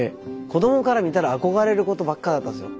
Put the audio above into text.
子どもから見たら憧れることばっかだったんですよ。